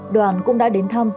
đoàn cũng đã đến thăm